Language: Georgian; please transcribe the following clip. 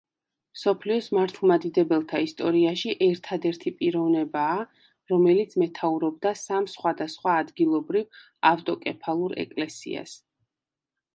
მსოფლიოს მართლმადიდებელთა ისტორიაში ერთადერთი პიროვნებაა, რომელიც მეთაურობდა სამ სხვადასხვა ადგილობრივ ავტოკეფალურ ეკლესიას.